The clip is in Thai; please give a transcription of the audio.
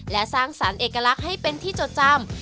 และสร้างสรรค์เอกลักษณ์ให้เป็นที่จดจำ